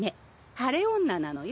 晴れ女なのよ。